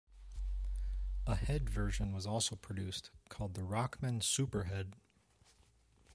A head version was also produced, called the Rockman Superhead.